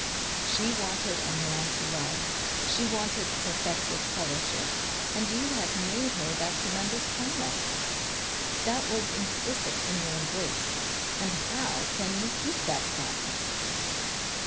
"She wanted a man to love, she wanted perfected fellowship, and you have made her that tremendous promise. That was implicit in your embrace. And how can you keep that promise?"